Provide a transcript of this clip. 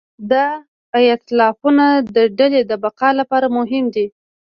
دا ایتلافونه د ډلې د بقا لپاره مهم دي.